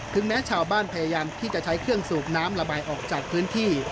แม้ชาวบ้านพยายามที่จะใช้เครื่องสูบน้ำระบายออกจากพื้นที่